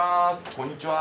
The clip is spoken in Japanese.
こんにちは。